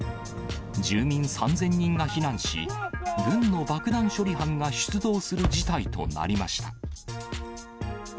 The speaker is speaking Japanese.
住民３０００人が避難し、軍の爆弾処理班が出動する事態となりました。